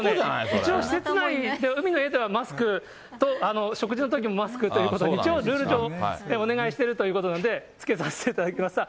一応施設内ではマスクと食事のときもマスクということで、一応ルール上、お願いしてるということなんで、着けさせていただきました。